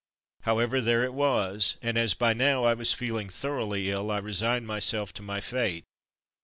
However, there it was, and as by now I was feeling thoroughly ill I resigned my self to my fate.